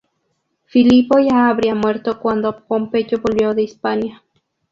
Filipo ya habría muerto cuando Pompeyo volvió de Hispania.